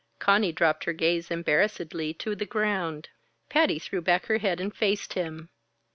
Conny dropped her gaze embarrassedly to the ground; Patty threw back her head and faced him.